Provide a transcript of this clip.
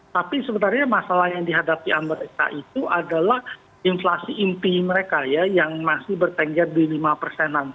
tapi sebenarnya masalah yang dihadapi amerika itu adalah inflasi inti mereka ya yang masih bertengger di lima persenan